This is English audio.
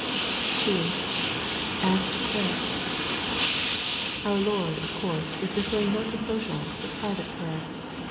(2) Aa to Prayer — Our Lord, of course, is referring not to social, but private prayer.